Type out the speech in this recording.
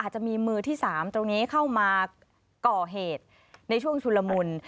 จะมีมือที่๓ตรงนี้เข้ามาก่อเหตุในช่วงชุลมุน